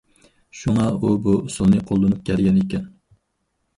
شۇڭا ئۇ بۇ ئۇسۇلنى قوللىنىپ كەلگەن ئىكەن.